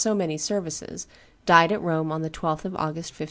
so many services, died at Rome on the 12th of August, 1503.